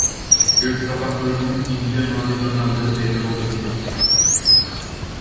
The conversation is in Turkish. Göz-kapaklarmın ince mavi damarları belli oluyordu.